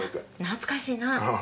懐かしいな。